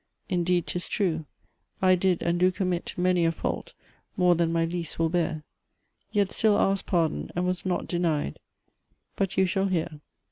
Indeed 'tis true. I did and do commit Many a fault, more than my lease will bear; Yet still ask'd pardon, and was not denied. But you shall hear.